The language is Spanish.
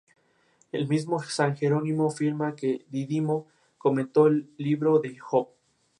La ecorregión se divide en partes oriental y occidental.